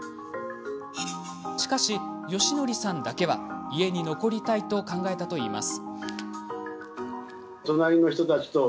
しかし、芳徳さんだけは家に残りたいと考えたといいます。